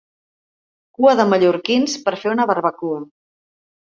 Cua de mallorquins per fer una barbacoa.